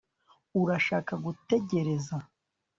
urashaka gutegereza